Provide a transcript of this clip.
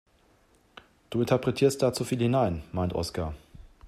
Du interpretierst da zu viel hinein, meint Oskar.